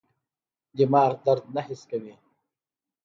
دماغ درد نه حس کوي.